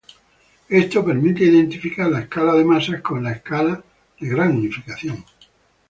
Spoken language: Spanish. Esto permite identificar la escala de masas con la escala de gran unificación.